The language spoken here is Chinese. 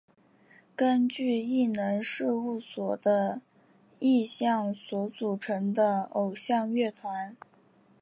根据艺能事务所的意向所组成的偶像乐团。